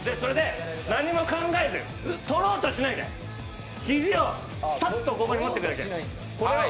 何も考えず取ろうとしないで肘をさっとここに持ってくるだけ。